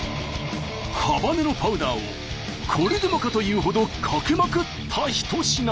ハバネロパウダーをこれでもかというほどかけまくった一品です。